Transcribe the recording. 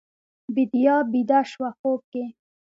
بیدیا بیده شوه خوب کې